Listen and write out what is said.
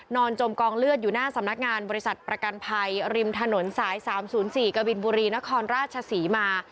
จมกองเลือดอยู่หน้าสำนักงานบริษัทประกันภัยริมถนนสาย๓๐๔กบินบุรีนครราชศรีมา